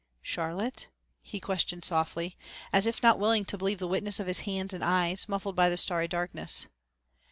"Charlotte?" he questioned softly, as if not willing to believe the witness of his hands and eyes, muffled by the starry darkness.